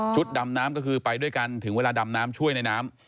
ดำน้ำก็คือไปด้วยกันถึงเวลาดำน้ำช่วยในน้ำ